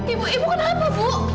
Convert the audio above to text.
ibu ibu kenapa bu